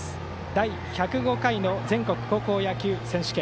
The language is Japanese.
第１０５回の全国高校野球選手権。